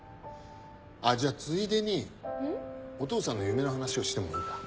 あっじゃあついでにお父さんの夢の話をしてもいいか？